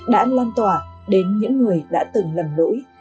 đã lan tỏa đến những người đã từng lầm lỗi